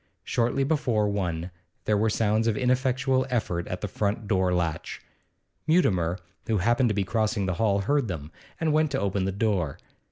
Shortly before one there were sounds of ineffectual effort at the front door latch. Mutimer, who happened to be crossing the hall, heard them, and went to open the door.